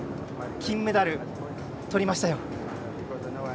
金メダル、とりましたよ。